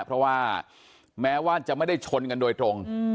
เพราะว่าแม้ว่าจะไม่ได้ชนกันโดยตรง